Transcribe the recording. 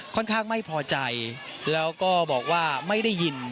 ข้างไม่พอใจแล้วก็บอกว่าไม่ได้ยิน